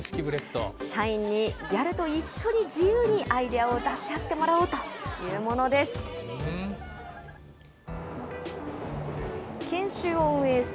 社員にギャルと一緒に自由にアイデアを出し合ってもらおうというものです。